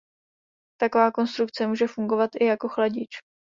Taková konstrukce může fungovat i jako chladič.